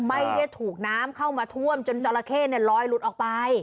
ไม่ได้ถูกน้ำเข้ามาท่วมจนจราเข้ลอยหลุดออกไป